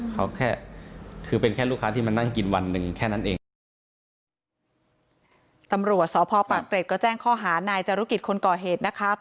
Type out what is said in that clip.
เขาแค่คือเป็นค่ะลูกค้าที่มานั่งกินวันหนึ่ง